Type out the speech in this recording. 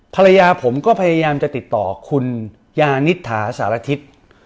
ภรรยาผมก็พยายามจะติดต่อคุณยานิษฐาสารทิศ